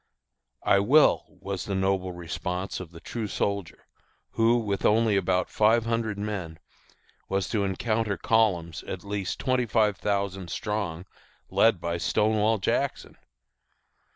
"I will," was the noble response of the true soldier, who, with only about five hundred men, was to encounter columns at least twenty five thousand strong, led by Stonewall Jackson!